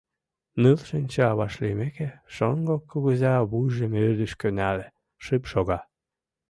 Ныл шинча вашлиймеке, шоҥго кугыза вуйжым ӧрдыжкӧ нале, шып шога.